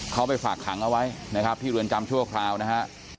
เขาไปฝากขังเอาไว้นะครับที่เรือนจำชั่วคราวนะฮะ